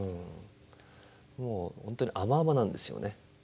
もう本当に甘々なんですよね。